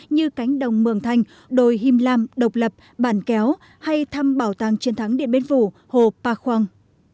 như cánh đồng mường thanh đồi him lam độc lập bản kéo hay thăm bảo tàng chiến thắng điện biên phủ hồ pa khoang